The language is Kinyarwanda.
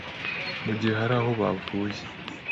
mu gihe hari aho bavuye